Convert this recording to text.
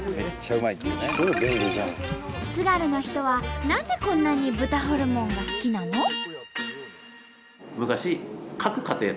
津軽の人は何でこんなに豚ホルモンが好きなの？